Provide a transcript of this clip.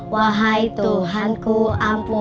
wahai tuhan ku ampun